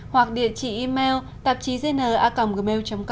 hoặc địa chỉ email tạp chí dn gmail com